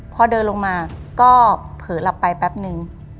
พอเดินลงมาก็เผลอหลับไปแป๊บนึง